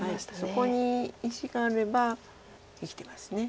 そこに石があれば生きてます。